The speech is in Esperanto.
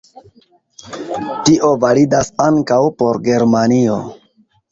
Tio validas ankaŭ por Germanio.